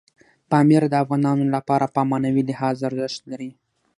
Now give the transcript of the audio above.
پامیر د افغانانو لپاره په معنوي لحاظ ارزښت لري.